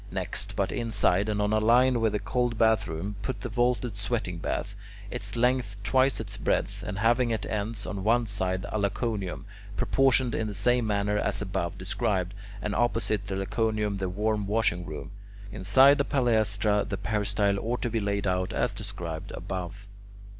Next, but inside and on a line with the cold bath room, put the vaulted sweating bath (I), its length twice its breadth, and having at the ends on one side a Laconicum (K), proportioned in the same manner as above described, and opposite the Laconicum the warm washing room (L). Inside a palaestra, the peristyle ought to be laid out as described above.